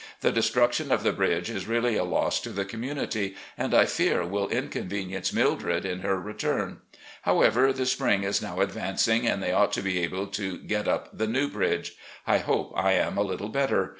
The destruc tion of the bridge is really a loss to the community, and I fear will inconvenience Mildred in her return. However, the spring is now advancing and they ought to be able to get up the new bridge. I hope I am a little better.